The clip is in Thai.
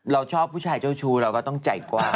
เราชอบผู้ชายเจ้าชู้เราก็ต้องใจกว้าง